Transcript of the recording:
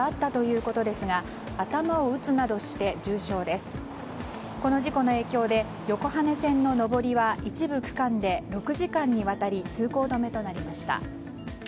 この事故の影響で横羽線の上りは一部区間で６時間にわたり通行止めとなりました。